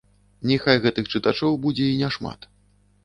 Няхай гэтых чытачоў будзе і няшмат.